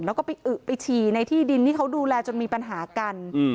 แล้วก็ไปอึไปฉี่ในที่ดินที่เขาดูแลจนมีปัญหากัน